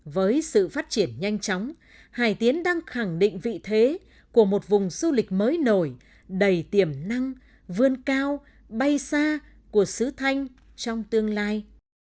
với sự phát triển nhanh chóng hải tiến đang khẳng định vị thế của một vùng du lịch mới nổi đầy tiềm năng vươn cao bay xa của sứ thanh trong tương lai